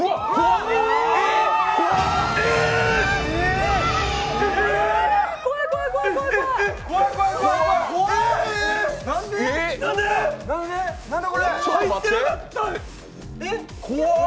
怖っ。